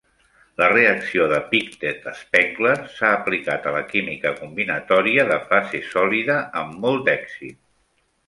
La reacció de Pictet-Spengler s'ha aplicat a la química combinatòria de fase sòlida amb molt d'èxit.